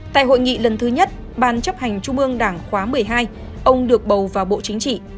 tại hội nghị lần thứ nhất ban chấp hành trung ương đảng khóa một mươi hai ông được bầu vào bộ chính trị